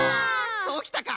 そうきたか！